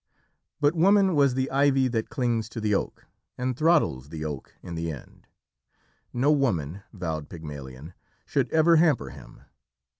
But woman was the ivy that clings to the oak, and throttles the oak in the end. No woman, vowed Pygmalion, should ever hamper him.